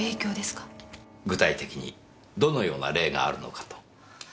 具体的にどのような例があるのかと。